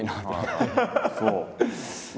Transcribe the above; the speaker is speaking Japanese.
そう。